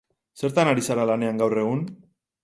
Zertan ari zara lanean gaur egun?